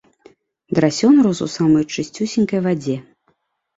Драсён рос у самай чысцюсенькай вадзе.